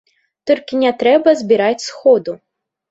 Толькі не трэба збіраць сходу.